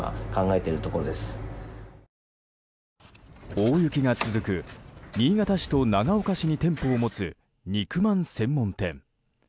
大雪が続く新潟市と長岡市に店舗を持つ肉まん専門店。